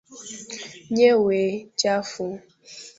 Nyewe chafu